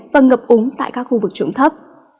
và ngập úng tại các khu vực trụng thấp